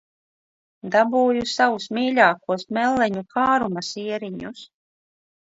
Dabūju savus mīļākos melleņu kāruma sieriņus.